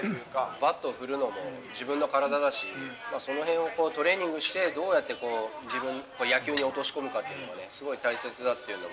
バットを振るのも、自分の体だし、そのへんをトレーニングして、どうやって野球に落とし込むかっていうのがね、すごい大切だっていうのも。